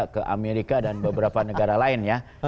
ke amerika dan beberapa negara lain ya